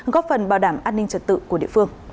góp phần bảo đảm an ninh trật tự của địa phương